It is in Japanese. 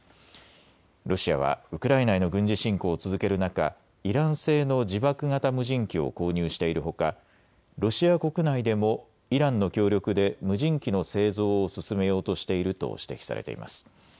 ロシアはウクライナへの軍事侵攻を続ける中、イラン製の自爆型無人機を購入しているほかロシア国内でもイランの協力で無人機の製造を進めようとしていると指摘されています。